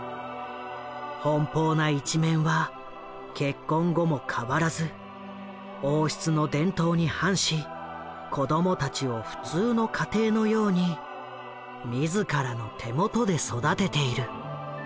奔放な一面は結婚後も変わらず王室の伝統に反し子どもたちを普通の家庭のように自らの手元で育てている。